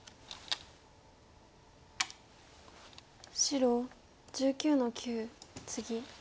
白１９の九ツギ。